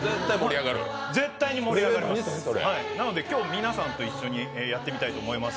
絶対に盛り上がりますなので今日、皆さんとやってみたいと思います。